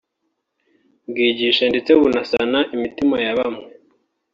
bwigisha ndetse bunasana imitima y’abawumva